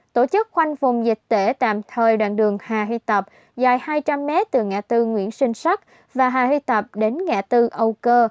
tổ chức khoanh vùng dịch tễ tạm thời đoạn đường hà huy tập dài hai trăm linh m từ ngã tư nguyễn sinh sắc và hà huy tập đến ngã tư âu cơ